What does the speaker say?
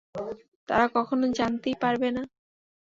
তারা কখনো জানতেই পারবে না।